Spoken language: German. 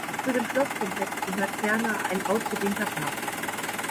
Zu dem Schlosskomplex gehört ferner ein ausgedehnter Park.